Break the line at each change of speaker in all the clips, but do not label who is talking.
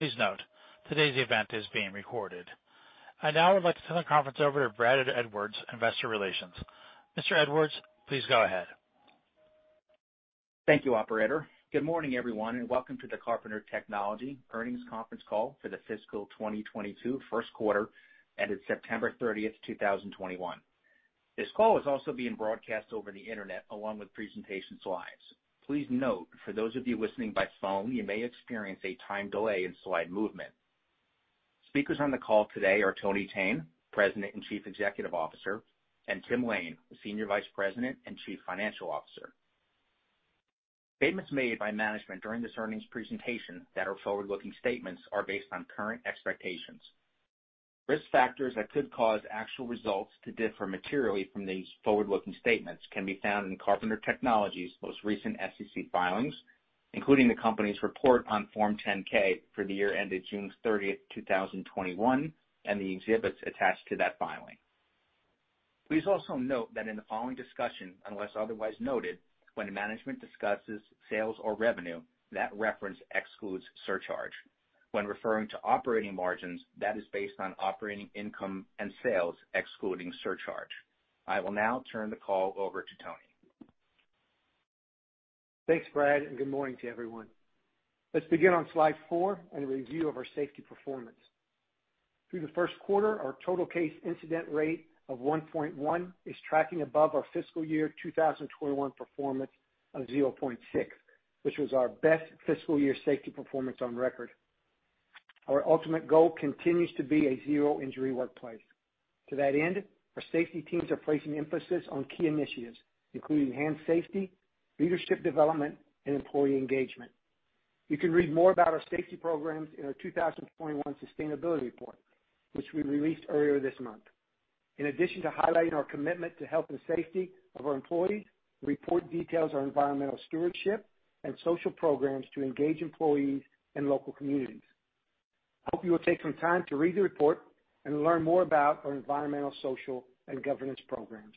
Please note, today's event is being recorded. I now would like to turn the conference over to Brad Edwards, investor relations. Mr. Edwards, please go ahead.
Thank you, operator. Good morning, everyone, and welcome to the Carpenter Technology earnings conference call for the fiscal 2022 first quarter, ended September 30th, 2021. This call is also being broadcast over the internet along with presentation slides. Please note, for those of you listening by phone, you may experience a time delay in slide movement. Speakers on the call today are Tony Thene, President and Chief Executive Officer, and Tim Lain, the Senior Vice President and Chief Financial Officer. Statements made by management during this earnings presentation that are forward-looking statements are based on current expectations. Risk factors that could cause actual results to differ materially from these forward-looking statements can be found in Carpenter Technology's most recent SEC filings, including the company's report on Form 10-K for the year ended June 30th, 2021, and the exhibits attached to that filing. Please also note that in the following discussion, unless otherwise noted, when management discusses sales or revenue, that reference excludes surcharge. When referring to operating margins, that is based on operating income and sales excluding surcharge. I will now turn the call over to Tony.
Thanks, Brad, good morning to everyone. Let's begin on slide four in a review of our safety performance. Through the first quarter, our total case incident rate of 1.1 is tracking above our fiscal year 2021 performance of 0.6, which was our best fiscal year safety performance on record. Our ultimate goal continues to be a zero-injury workplace. To that end, our safety teams are placing emphasis on key initiatives, including enhanced safety, leadership development, and employee engagement. You can read more about our safety programs in our 2021 sustainability report, which we released earlier this month. In addition to highlighting our commitment to health and safety of our employees, the report details our environmental stewardship and social programs to engage employees and local communities. I hope you will take some time to read the report and learn more about our environmental, social, and governance programs.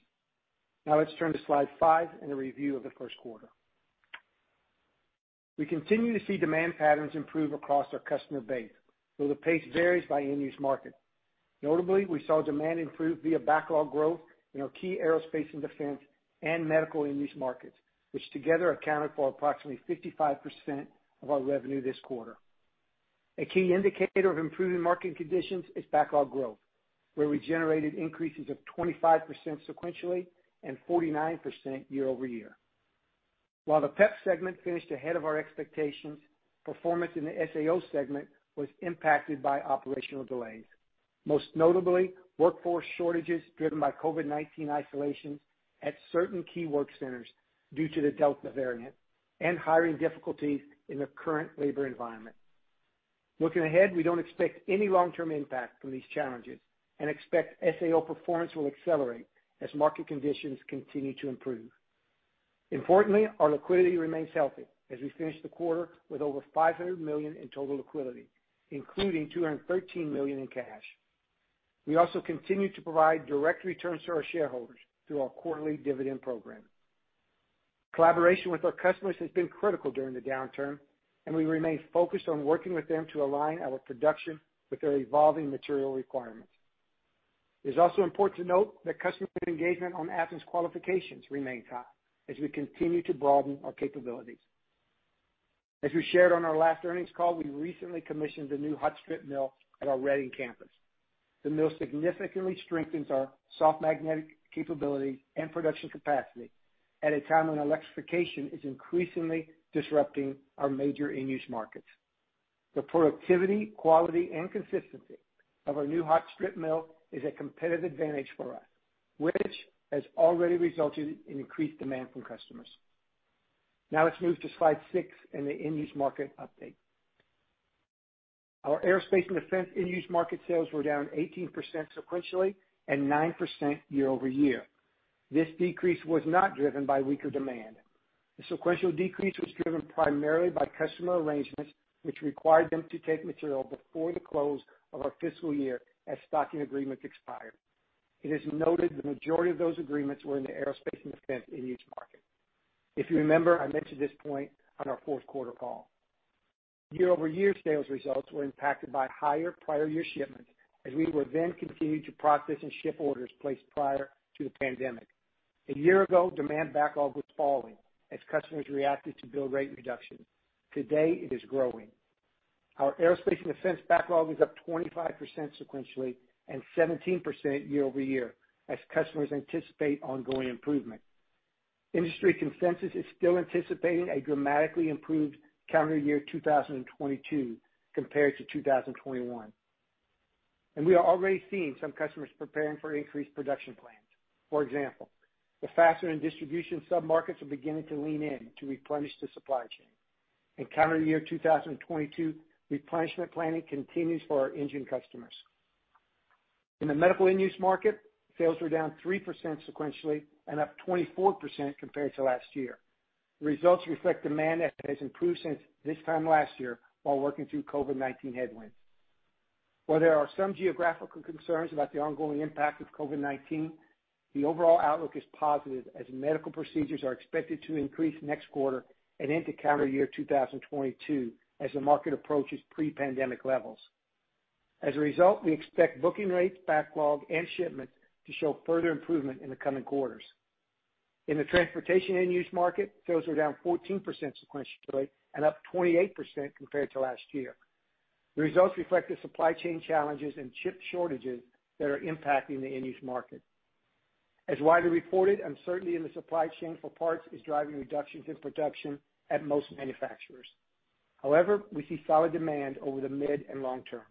Now let's turn to slide five and a review of the first quarter. We continue to see demand patterns improve across our customer base, though the pace varies by end-use market. Notably, we saw demand improve via backlog growth in our key aerospace and defense and medical end-use markets, which together accounted for approximately 55% of our revenue this quarter. A key indicator of improving market conditions is backlog growth, where we generated increases of 25% sequentially and 49% year-over-year. While the PEP segment finished ahead of our expectations, performance in the SAO segment was impacted by operational delays. Most notably, workforce shortages driven by COVID-19 isolation at certain key work centers due to the Delta variant and hiring difficulties in the current labor environment. Looking ahead, we don't expect any long-term impact from these challenges and expect SAO performance will accelerate as market conditions continue to improve. Importantly, our liquidity remains healthy as we finish the quarter with over $500 million in total liquidity, including $213 million in cash. We also continue to provide direct returns to our shareholders through our quarterly dividend program. Collaboration with our customers has been critical during the downturn, and we remain focused on working with them to align our production with their evolving material requirements. It is also important to note that customer engagement on Athens qualifications remain high as we continue to broaden our capabilities. As we shared on our last earnings call, we recently commissioned the new hot strip mill at our Reading campus. The mill significantly strengthens our soft magnetic capability and production capacity at a time when electrification is increasingly disrupting our major end-use markets. The productivity, quality, and consistency of our new hot strip mill is a competitive advantage for us, which has already resulted in increased demand from customers. Now let's move to slide six and the end-use market update. Our aerospace and defense end-use market sales were down 18% sequentially and 9% year-over-year. This decrease was not driven by weaker demand. The sequential decrease was driven primarily by customer arrangements, which required them to take material before the close of our fiscal year as stocking agreements expired. It is noted the majority of those agreements were in the aerospace and defense end-use market. If you remember, I mentioned this point on our fourth quarter call. Year-over-year sales results were impacted by higher prior year shipments as we were then continuing to process and ship orders placed prior to the pandemic. A year ago, demand backlog was falling as customers reacted to build rate reduction. Today, it is growing. Our aerospace and defense backlog is up 25% sequentially and 17% year-over-year as customers anticipate ongoing improvement. Industry consensus is still anticipating a dramatically improved calendar year 2022 compared to 2021, and we are already seeing some customers preparing for increased production plans. For example, the fastener and distribution sub-markets are beginning to lean in to replenish the supply chain. In calendar year 2022, replenishment planning continues for our engine customers. In the medical end-use market, sales were down 3% sequentially and up 24% compared to last year. Results reflect demand that has improved since this time last year while working through COVID-19 headwinds. While there are some geographical concerns about the ongoing impact of COVID-19, the overall outlook is positive as medical procedures are expected to increase next quarter and into calendar year 2022 as the market approaches pre-pandemic levels. As a result, we expect booking rates, backlog, and shipment to show further improvement in the coming quarters. In the transportation end-use market, sales were down 14% sequentially and up 28% compared to last year. The results reflect the supply chain challenges and chip shortages that are impacting the end-use market. As widely reported, uncertainty in the supply chain for parts is driving reductions in production at most manufacturers. However, we see solid demand over the mid and long term.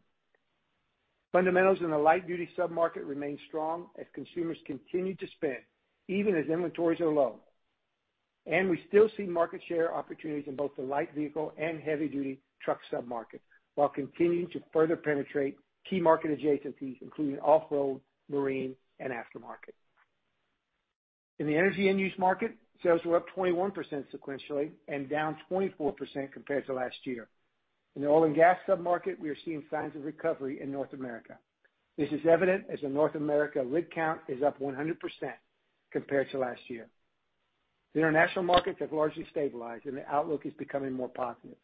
Fundamentals in the light-duty sub-market remain strong as consumers continue to spend even as inventories are low. We still see market share opportunities in both the light vehicle and heavy-duty truck sub-market, while continuing to further penetrate key market adjacencies, including off-road, marine, and aftermarket. In the energy end-use market, sales were up 21% sequentially and down 24% compared to last year. In the oil and gas sub-market, we are seeing signs of recovery in North America. This is evident as the North America rig count is up 100% compared to last year. The international markets have largely stabilized, the outlook is becoming more positive.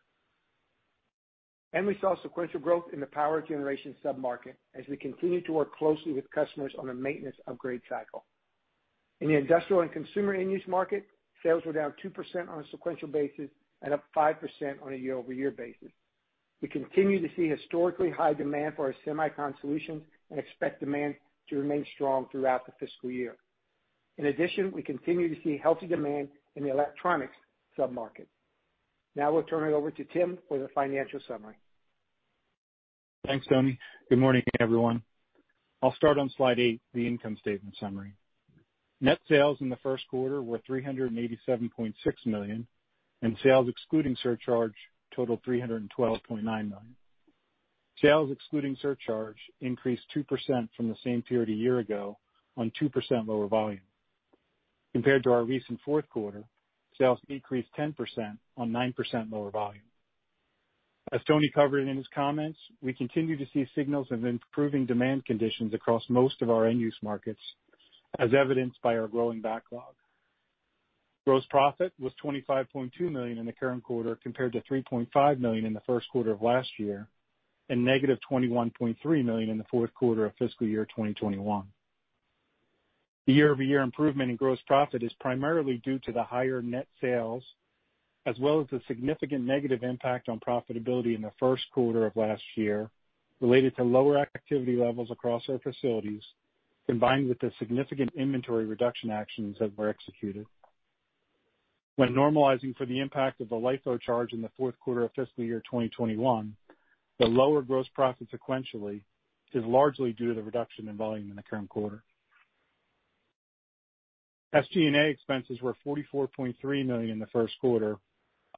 We saw sequential growth in the power generation sub-market as we continue to work closely with customers on a maintenance upgrade cycle. In the industrial and consumer end-use market, sales were down 2% on a sequential basis and up 5% on a year-over-year basis. We continue to see historically high demand for our semicon solutions and expect demand to remain strong throughout the fiscal year. In addition, we continue to see healthy demand in the electronics sub-market. Now we'll turn it over to Tim for the financial summary.
Thanks, Tony. Good morning, everyone. I'll start on slide eight, the income statement summary. Net sales in the first quarter were $387.6 million, sales excluding surcharge totaled $312.9 million. Sales excluding surcharge increased 2% from the same period a year ago on 2% lower volume. Compared to our recent fourth quarter, sales decreased 10% on 9% lower volume. As Tony covered in his comments, we continue to see signals of improving demand conditions across most of our end-use markets, as evidenced by our growing backlog. Gross profit was $25.2 million in the current quarter, compared to $3.5 million in the first quarter of last year, and negative $21.3 million in the fourth quarter of fiscal year 2021. The year-over-year improvement in gross profit is primarily due to the higher net sales as well as the significant negative impact on profitability in the first quarter of last year related to lower activity levels across our facilities, combined with the significant inventory reduction actions that were executed. When normalizing for the impact of the LIFO charge in the fourth quarter of fiscal year 2021, the lower gross profit sequentially is largely due to the reduction in volume in the current quarter. SG&A expenses were $44.3 million in the first quarter,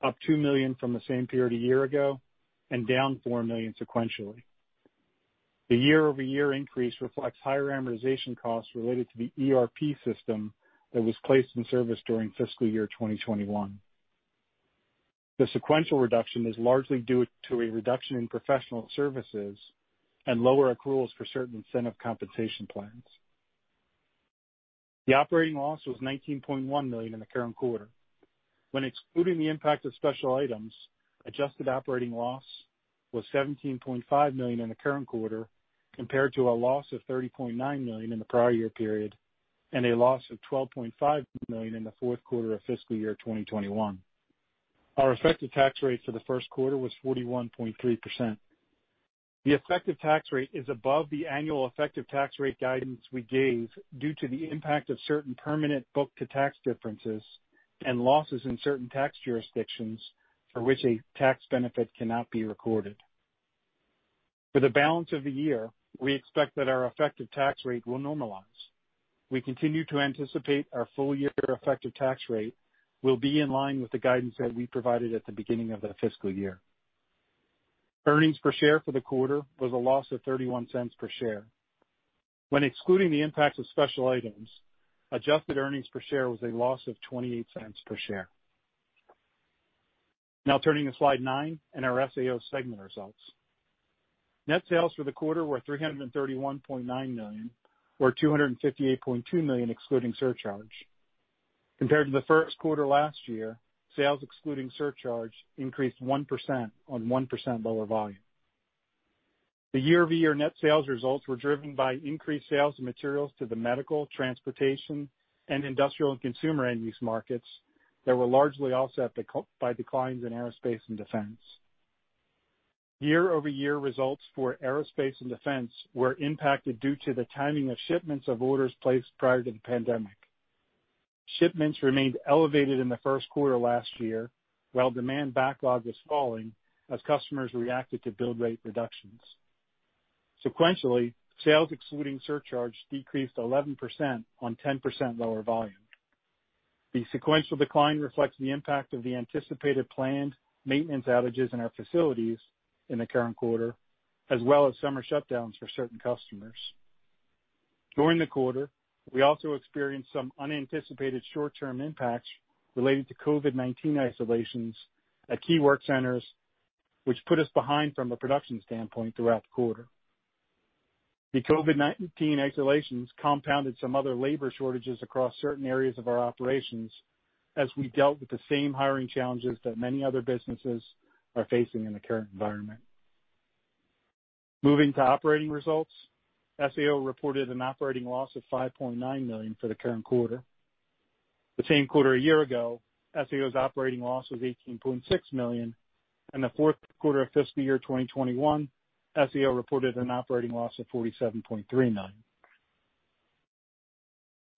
up $2 million from the same period a year ago and down $4 million sequentially. The year-over-year increase reflects higher amortization costs related to the ERP system that was placed in service during fiscal year 2021. The sequential reduction is largely due to a reduction in professional services and lower accruals for certain incentive compensation plans. The operating loss was $19.1 million in the current quarter. When excluding the impact of special items, adjusted operating loss was $17.5 million in the current quarter, compared to a loss of $30.9 million in the prior year period and a loss of $12.5 million in the fourth quarter of fiscal year 2021. Our effective tax rate for the first quarter was 41.3%. The effective tax rate is above the annual effective tax rate guidance we gave due to the impact of certain permanent book to tax differences and losses in certain tax jurisdictions for which a tax benefit cannot be recorded. For the balance of the year, we expect that our effective tax rate will normalize. We continue to anticipate our full-year effective tax rate will be in line with the guidance that we provided at the beginning of the fiscal year. Earnings per share for the quarter was a loss of $0.31 per share. When excluding the impacts of special items, adjusted earnings per share was a loss of $0.28 per share. Now turning to slide nine and our SAO segment results. Net sales for the quarter were $331.9 million, or $258.2 million excluding surcharge. Compared to the first quarter last year, sales excluding surcharge increased 1% on 1% lower volume. The year-over-year net sales results were driven by increased sales and materials to the medical, transportation, and industrial and consumer end-use markets that were largely offset by declines in aerospace and defense. Year-over-year results for aerospace and defense were impacted due to the timing of shipments of orders placed prior to the pandemic. Shipments remained elevated in the first quarter last year, while demand backlog was falling as customers reacted to build rate reductions. Sequentially, sales excluding surcharge decreased 11% on 10% lower volume. The sequential decline reflects the impact of the anticipated planned maintenance outages in our facilities in the current quarter, as well as summer shutdowns for certain customers. During the quarter, we also experienced some unanticipated short-term impacts related to COVID-19 isolations at key work centers, which put us behind from a production standpoint throughout the quarter. The COVID-19 isolations compounded some other labor shortages across certain areas of our operations as we dealt with the same hiring challenges that many other businesses are facing in the current environment. Moving to operating results, SAO reported an operating loss of $5.9 million for the current quarter. The same quarter a year ago, SAO's operating loss was $18.6 million, and the fourth quarter of fiscal year 2021, SAO reported an operating loss of $47.3 million.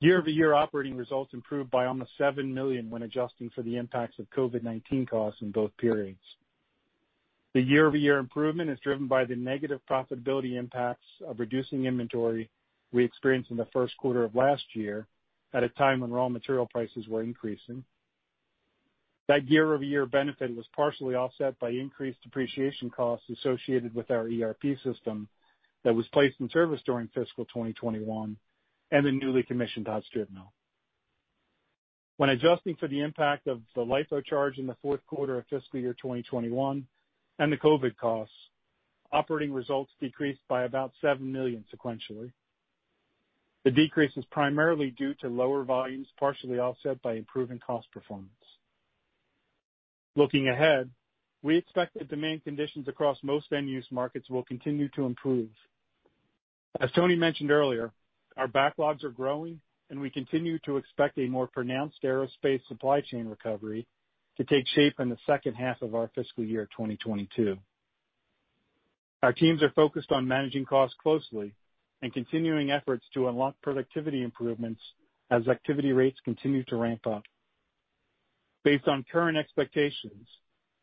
Year-over-year operating results improved by almost $7 million when adjusting for the impacts of COVID-19 costs in both periods. The year-over-year improvement is driven by the negative profitability impacts of reducing inventory we experienced in the first quarter of last year at a time when raw material prices were increasing. That year-over-year benefit was partially offset by increased depreciation costs associated with our ERP system that was placed in service during fiscal 2021 and the newly commissioned hot strip mill. When adjusting for the impact of the LIFO charge in the fourth quarter of fiscal year 2021 and the COVID costs, operating results decreased by about $7 million sequentially. The decrease is primarily due to lower volumes, partially offset by improving cost performance. Looking ahead, we expect that demand conditions across most end-use markets will continue to improve. As Tony mentioned earlier, our backlogs are growing, and we continue to expect a more pronounced aerospace supply chain recovery to take shape in the second half of our fiscal year 2022. Our teams are focused on managing costs closely and continuing efforts to unlock productivity improvements as activity rates continue to ramp up. Based on current expectations,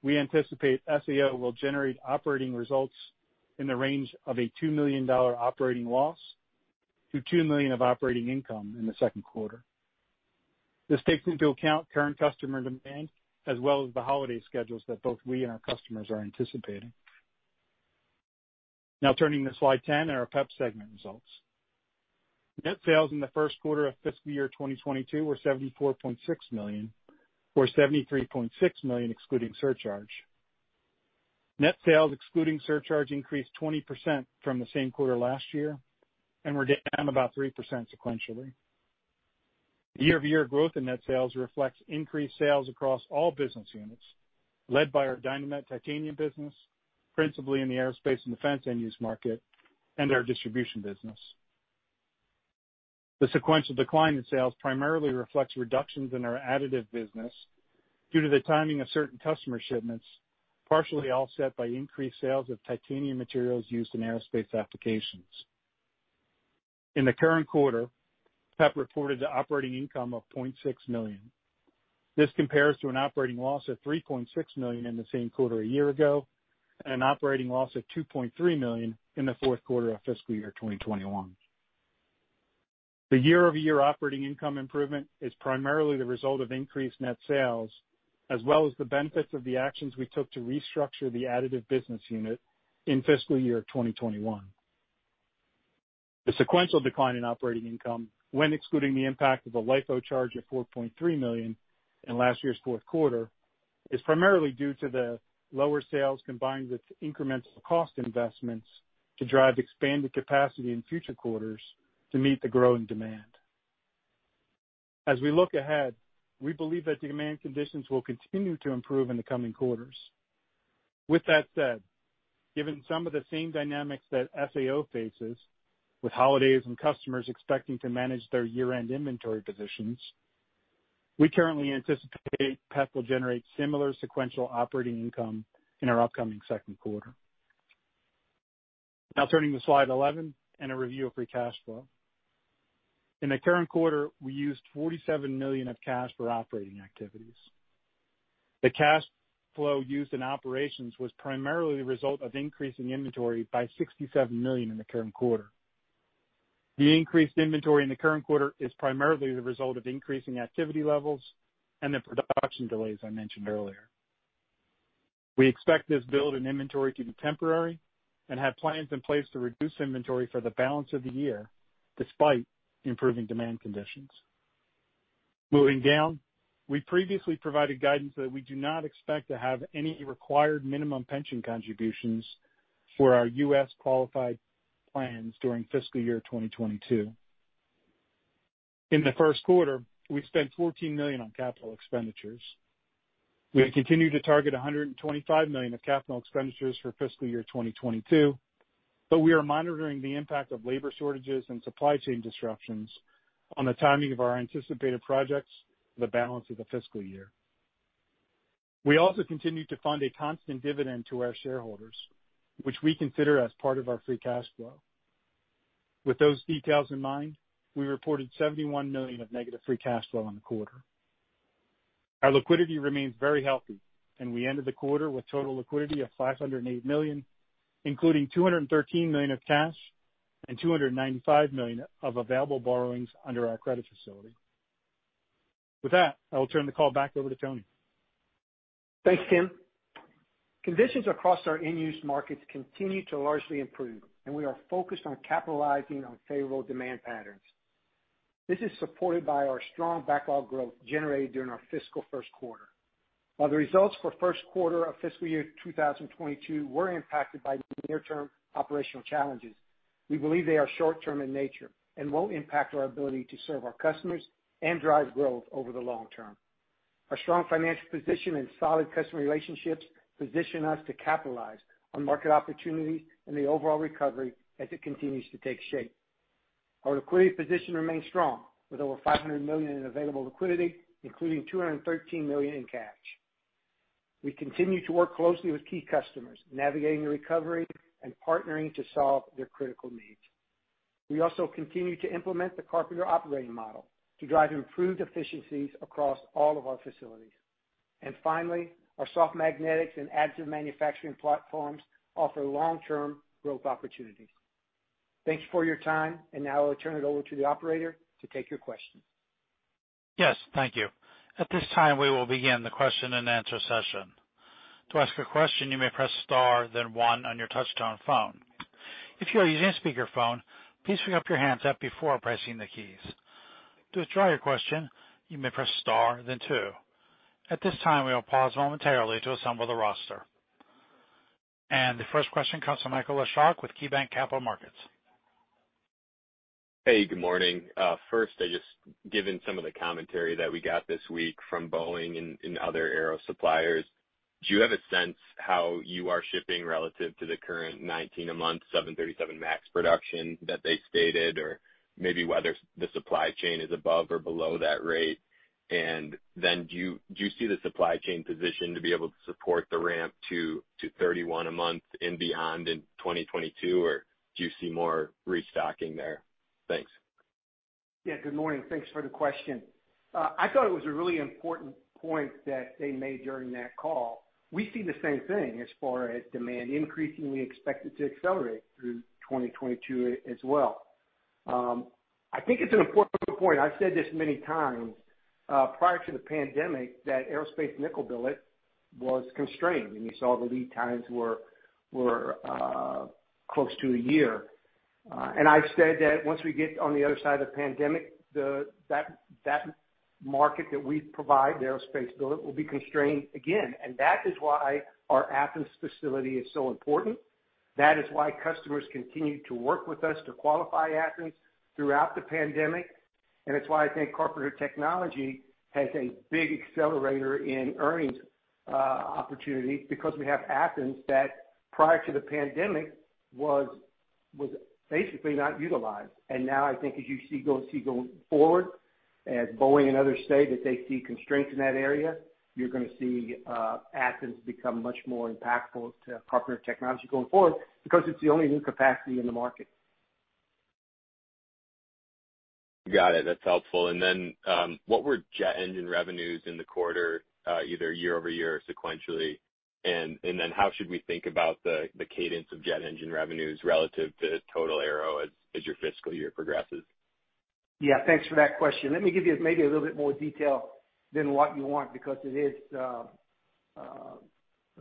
we anticipate SAO will generate operating results in the range of a $2 million operating loss to $2 million of operating income in the second quarter. This takes into account current customer demand as well as the holiday schedules that both we and our customers are anticipating. Turning to slide 10 and our PEP segment results. Net sales in the first quarter of fiscal year 2022 were $74.6 million, or $73.6 million excluding surcharge. Net sales excluding surcharge increased 20% from the same quarter last year and were down about 3% sequentially. Year-over-year growth in net sales reflects increased sales across all business units, led by our Dynamet titanium business, principally in the aerospace and defense end-use market and our distribution business. The sequential decline in sales primarily reflects reductions in our additive business due to the timing of certain customer shipments, partially offset by increased sales of titanium materials used in aerospace applications. In the current quarter, PEP reported an operating income of $0.6 million. This compares to an operating loss of $3.6 million in the same quarter a year ago and an operating loss of $2.3 million in the fourth quarter of fiscal year 2021. The year-over-year operating income improvement is primarily the result of increased net sales as well as the benefits of the actions we took to restructure the additive business unit in fiscal year 2021. The sequential decline in operating income, when excluding the impact of the LIFO charge of $4.3 million in last year's fourth quarter, is primarily due to the lower sales combined with incremental cost investments to drive expanded capacity in future quarters to meet the growing demand. We look ahead, we believe that demand conditions will continue to improve in the coming quarters. With that said, given some of the same dynamics that SAO faces with holidays and customers expecting to manage their year-end inventory positions, we currently anticipate PEP will generate similar sequential operating income in our upcoming second quarter. Turning to slide 11 and a review of free cash flow. In the current quarter, we used $47 million of cash for operating activities. The cash flow used in operations was primarily the result of increasing inventory by $67 million in the current quarter. The increased inventory in the current quarter is primarily the result of increasing activity levels and the production delays I mentioned earlier. We expect this build in inventory to be temporary and have plans in place to reduce inventory for the balance of the year despite improving demand conditions. Moving down, we previously provided guidance that we do not expect to have any required minimum pension contributions for our U.S. qualified plans during fiscal year 2022. In the first quarter, we spent $14 million on capital expenditures. We have continued to target $125 million of capital expenditures for fiscal year 2022, but we are monitoring the impact of labor shortages and supply chain disruptions on the timing of our anticipated projects for the balance of the fiscal year. We also continue to fund a constant dividend to our shareholders, which we consider as part of our free cash flow. With those details in mind, we reported $71 million of negative free cash flow in the quarter. Our liquidity remains very healthy, and we ended the quarter with total liquidity of $508 million, including $213 million of cash and $295 million of available borrowings under our credit facility. With that, I will turn the call back over to Tony.
Thanks, Tim. Conditions across our end-use markets continue to largely improve. We are focused on capitalizing on favorable demand patterns. This is supported by our strong backlog growth generated during our fiscal first quarter. While the results for first quarter of fiscal year 2022 were impacted by near-term operational challenges, we believe they are short-term in nature and won't impact our ability to serve our customers and drive growth over the long term. Our strong financial position and solid customer relationships position us to capitalize on market opportunities and the overall recovery as it continues to take shape. Our liquidity position remains strong with over $500 million in available liquidity, including $213 million in cash. We continue to work closely with key customers, navigating the recovery and partnering to solve their critical needs. We also continue to implement the Carpenter Operating Model to drive improved efficiencies across all of our facilities. Finally, our soft magnetics and additive manufacturing platforms offer long-term growth opportunities. Thanks for your time. Now I'll turn it over to the operator to take your questions.
Yes. Thank you. At this time, we will begin the question and answer session. To ask a question, you may press star then one on your touchtone phone. If you are using a speakerphone, please pick up your handset before pressing the keys. To withdraw your question, you may press star then two. At this time, we will pause momentarily to assemble the roster. The first question comes from Michael Leshock with KeyBanc Capital Markets.
Hey, good morning. First, just given some of the commentary that we got this week from Boeing and other aero suppliers, do you have a sense how you are shipping relative to the current 19 a month 737 MAX production that they stated, or maybe whether the supply chain is above or below that rate? Then do you see the supply chain positioned to be able to support the ramp to 31 a month and beyond in 2022, or do you see more restocking there? Thanks.
Yeah. Good morning. Thanks for the question. I thought it was a really important point that they made during that call. We see the same thing as far as demand increasingly expected to accelerate through 2022 as well. I think it's an important point. I've said this many times. Prior to the pandemic, that aerospace nickel billet was constrained, and you saw the lead times were close to a year. I've said that once we get on the other side of the pandemic, that market that we provide, the aerospace billet, will be constrained again. That is why our Athens facility is so important. That is why customers continued to work with us to qualify Athens throughout the pandemic. It's why I think Carpenter Technology has a big accelerator in earnings opportunity because we have Athens that, prior to the pandemic, was basically not utilized. Now I think as you see going forward, as Boeing and others say that they see constraints in that area, you're going to see Athens become much more impactful to Carpenter Technology going forward because it's the only new capacity in the market.
Got it. That's helpful. What were jet engine revenues in the quarter, either year-over-year or sequentially? How should we think about the cadence of jet engine revenues relative to total aero as your fiscal year progresses?
Yeah. Thanks for that question. Let me give you maybe a little bit more detail than what you want because it is a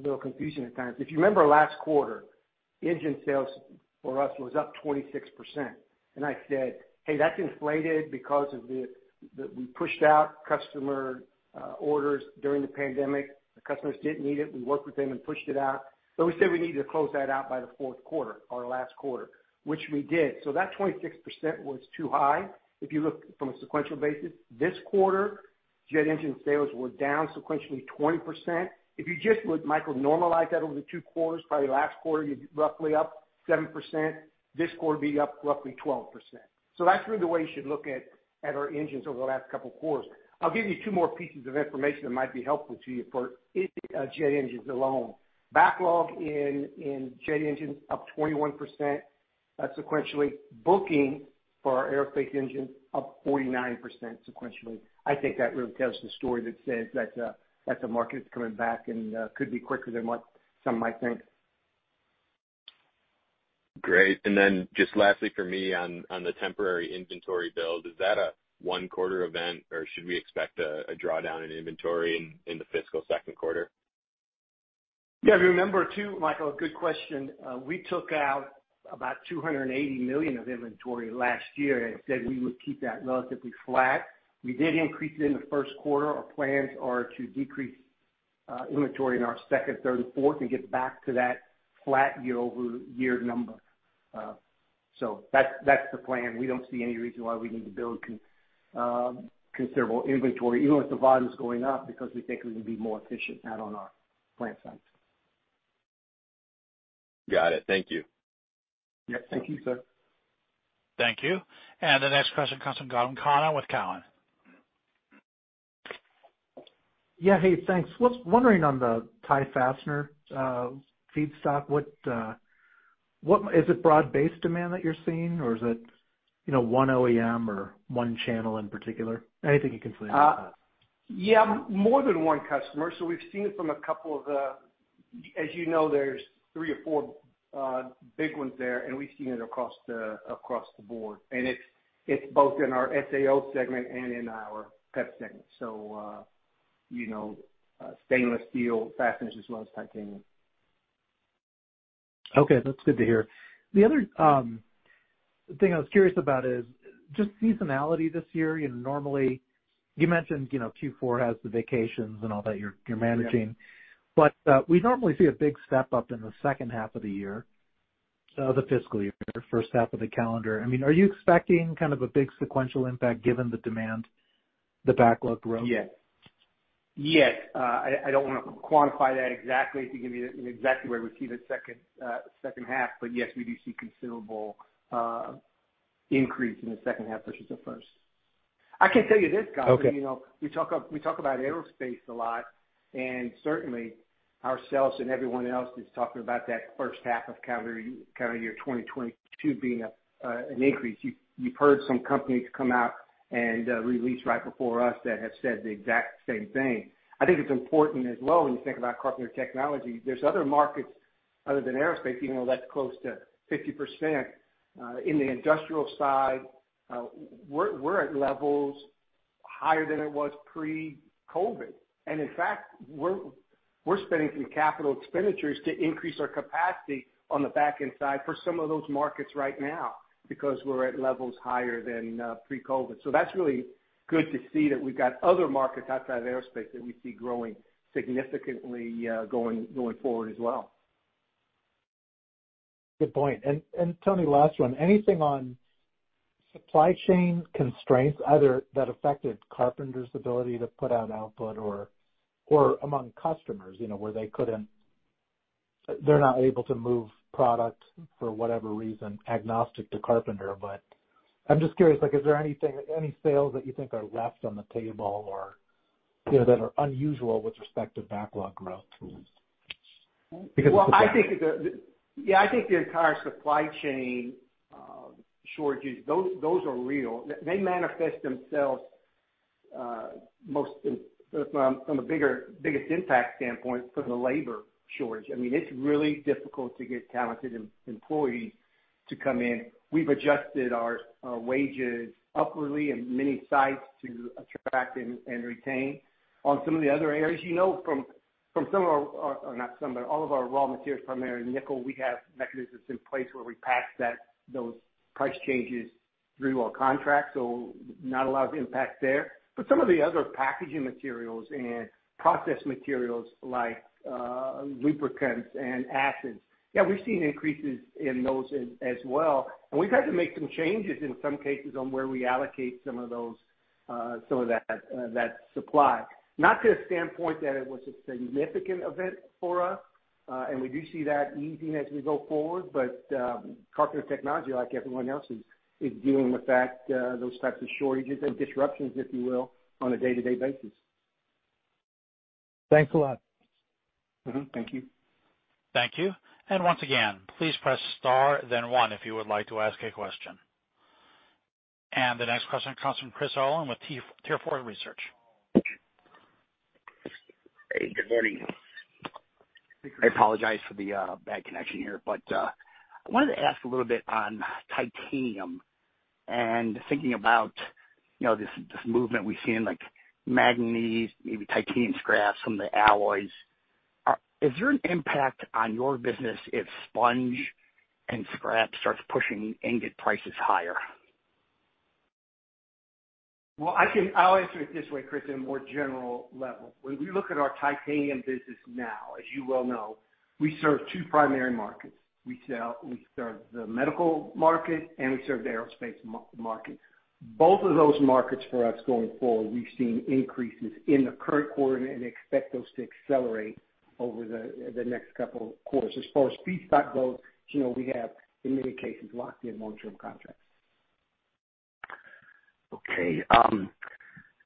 little confusing at times. If you remember last quarter, engine sales for us was up 26%, and I said, "Hey, that's inflated because of we pushed out customer orders during the pandemic." The customers didn't need it. We worked with them and pushed it out. We said we needed to close that out by the fourth quarter, our last quarter, which we did. That 26% was too high if you look from a sequential basis. This quarter, jet engine sales were down sequentially 20%. If you just would, Michael, normalize that over the two quarters, probably last quarter you're roughly up 7%, this quarter be up roughly 12%. That's really the way you should look at our engines over the last couple of quarters. I'll give you two more pieces of information that might be helpful to you for jet engines alone. Backlog in jet engines up 21% sequentially. Booking for our aerospace engines up 49% sequentially. I think that really tells the story that says that the market's coming back and could be quicker than what some might think.
Great. Just lastly for me on the temporary inventory build, is that a one-quarter event, or should we expect a drawdown in inventory in the fiscal second quarter?
Yeah. If you remember too, Michael, good question. We took out about $280 million of inventory last year and said we would keep that relatively flat. We did increase it in the first quarter. Our plans are to decrease inventory in our second, third, and fourth and get back to that flat year-over-year number. That's the plan. We don't see any reason why we need to build considerable inventory, even if the volume's going up, because we think we can be more efficient out on our plant sites.
Got it. Thank you.
Yeah. Thank you, sir.
Thank you. The next question comes from Gautam Khanna with Cowen.
Yeah. Hey, thanks. Was wondering on the tie fastener feedstock. Is it broad-based demand that you're seeing, or is it one OEM or one channel in particular? Anything you can say about that?
Yeah, more than one customer. We've seen it from a couple of the As you know, there's three or four big ones there, and we've seen it across the board. It's both in our SAO segment and in our PEP segment. Stainless steel fasteners as well as titanium.
Okay. That's good to hear. The other thing I was curious about is just seasonality this year. Normally, you mentioned Q4 has the vacations and all that you're managing.
Yeah.
We normally see a big step-up in the second half of the year, so the fiscal year, first half of the calendar. Are you expecting kind of a big sequential impact given the demand, the backlog growth?
Yes. I don't want to quantify that exactly to give you exactly where we see the second half, but yes, we do see considerable increase in the second half versus the first. I can tell you this, Scott.
Okay
Certainly ourselves and everyone else is talking about that first half of calendar year 2022 being an increase. You've heard some companies come out and release right before us that have said the exact same thing. I think it's important as well, when you think about Carpenter Technology, there's other markets other than aerospace, even though that's close to 50%, in the industrial side. We're at levels higher than it was pre-COVID-19. In fact, we're spending some capital expenditures to increase our capacity on the back end side for some of those markets right now because we're at levels higher than pre-COVID-19. That's really good to see that we've got other markets outside of aerospace that we see growing significantly going forward as well.
Good point. Tony, last one. Anything on supply chain constraints, either that affected Carpenter's ability to put out output or among customers, where they're not able to move product for whatever reason, agnostic to Carpenter. I'm just curious, is there any sales that you think are left on the table or that are unusual with respect to backlog growth?
Yeah, I think the entire supply chain shortages, those are real. They manifest themselves from a biggest impact standpoint from the labor shortage. It's really difficult to get talented employees to come in. We've adjusted our wages upward in many sites to attract and retain. On some of the other areas, you know from all of our raw materials, primarily nickel, we have mechanisms in place where we pass those price changes through our contracts, so not a lot of impact there. Some of the other packaging materials and process materials like lubricants and acids, yeah, we've seen increases in those as well. We've had to make some changes in some cases on where we allocate some of that supply. Not to a standpoint that it was a significant event for us. We do see that easing as we go forward. Carpenter Technology, like everyone else, is dealing with those types of shortages and disruptions, if you will, on a day-to-day basis.
Thanks a lot.
Mm-hmm. Thank you.
Thank you. Once again, please press star then one if you would like to ask a question. The next question comes from Chris Owen with Tier 4 Research.
Hey, good morning.
Hey, Chris.
I apologize for the bad connection here. I wanted to ask a little bit on titanium and thinking about this movement we've seen like manganese, maybe titanium scraps from the alloys. Is there an impact on your business if sponge and scrap starts pushing ingot prices higher?
Well, I'll answer it this way, Chris, in a more general level. When we look at our titanium business now, as you well know, we serve two primary markets. We serve the medical market and we serve the aerospace market. Both of those markets for us going forward, we've seen increases in the current quarter and expect those to accelerate over the next couple quarters. As far as feedstock goes, we have, in many cases, locked in long-term contracts.
Okay.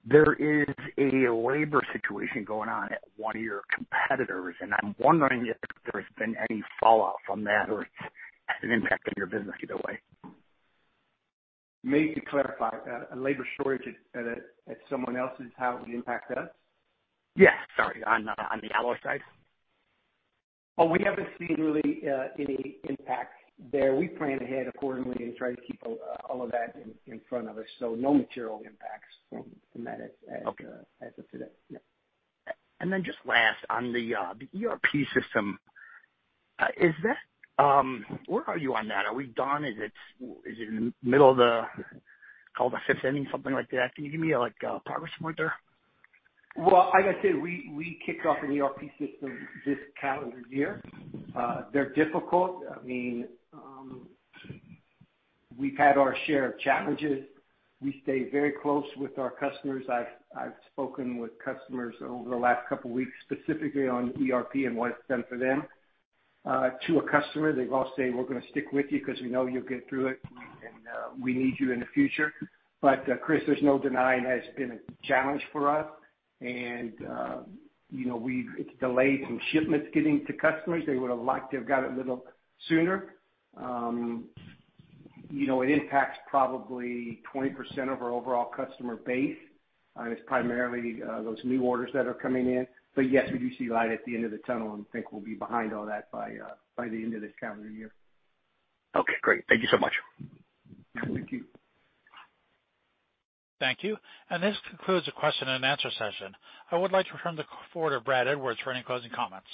There is a labor situation going on at one of your competitors, and I'm wondering if there's been any fallout from that or it's had an impact on your business either way?
Maybe to clarify, a labor shortage at someone else, how it would impact us?
Yes. Sorry. On the alloy side.
Oh, we haven't seen really any impact there. We plan ahead accordingly and try to keep all of that in front of us. No material impacts from that.
Okay
as of today. Yeah.
Just last, on the ERP system. Where are you on that? Are we done? Is it in the middle of the call the fifth inning, something like that? Can you give me a progress point there?
Like I said, we kicked off an ERP system this calendar year. They're difficult. We've had our share of challenges. We stay very close with our customers. I've spoken with customers over the last couple weeks, specifically on ERP and what it's done for them. To a customer, they've all said, "We're going to stick with you because we know you'll get through it, and we need you in the future." Chris, there's no denying that it's been a challenge for us. It's delayed some shipments getting to customers. They would've liked to have got it a little sooner. It impacts probably 20% of our overall customer base. It's primarily those new orders that are coming in. Yes, we do see light at the end of the tunnel and think we'll be behind all that by the end of this calendar year.
Great. Thank you so much.
Thank you.
Thank you. This concludes the question and answer session. I would like to turn the floor to Brad Edwards for any closing comments.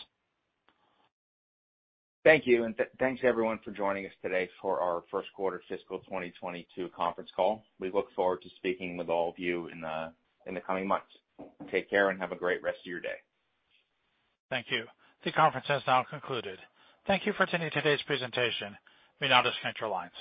Thank you. Thanks everyone for joining us today for our first quarter fiscal 2022 conference call. We look forward to speaking with all of you in the coming months. Take care and have a great rest of your day.
Thank you. The conference has now concluded. Thank you for attending today's presentation. You may now disconnect your lines.